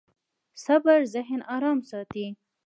صبر ذهن ارام ساتي.